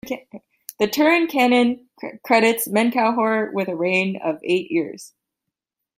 The Turin canon credits Menkauhor with a reign of eight years.